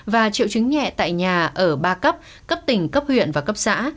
và triệu chứng nhẹ tại nhà ở ba cấp cấp tỉnh cấp huyện và cấp xã